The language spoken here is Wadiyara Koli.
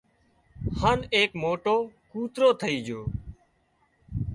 هانَ ايڪ موٽو ڪُوترو ٿئي جھو